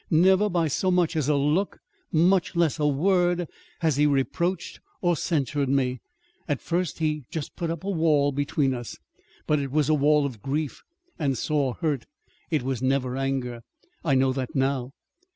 Never by so much as a look much less a word has he reproached or censured me. At first he he just put up a wall between us. But it was a wall of grief and sore hurt. It was never anger. I know that now.